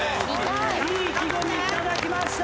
いい意気込みいただきました！